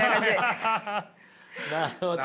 なるほど。